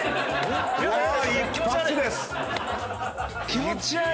気持ち悪い！